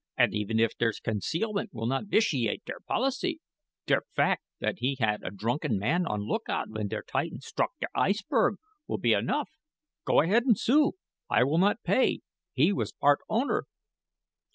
"And even if der concealment will not vitiate der policy, der fact that he had a drunken man on lookout when der Titan struck der iceberg will be enough. Go ahead and sue. I will not pay. He was part owner."